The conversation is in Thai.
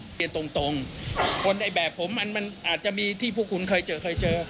เปลี่ยนตรงคนใดแบบผมอันนั้นมันอาจจะมีที่พวกคุณเคยเจอ